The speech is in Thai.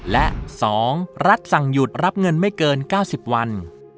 และ๒รัฐสั่งหยุดรับเงินไม่เกิน๙๐วัน